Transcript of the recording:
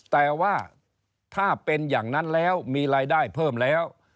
แต่ว่าถ้าเป็นอย่างนั้นแล้วมีรายได้เพิ่มแล้ว